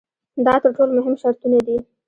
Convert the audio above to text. دا تر ټولو مهم شرطونه دي.